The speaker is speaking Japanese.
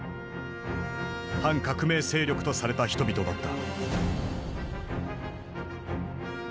反革命勢力とされた人々だった。